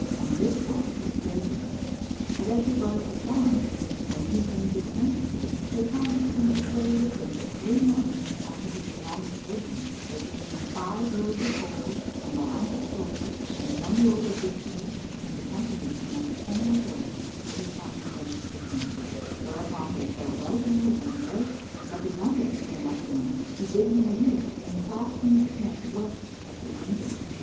On this wise it fared with her; but as regards Hasan, when he came to the Princesses, they conjured him to tarry with them three months, after which long sojourn they gave him five loads of gold and the like of silver and one load of victual and accompanied him on his homeward way till he conjured them to return, whereupon they farewelled him with an embrace; but the youngest came up to him, to bid him adieu and clasping his neck wept till she fainted.